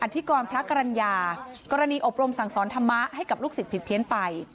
ธิกรพระกรรณญากรณีอบรมสั่งสอนธรรมะให้กับลูกศิษย์ผิดเพี้ยนไป